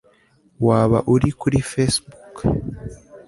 waba uri kuri facebook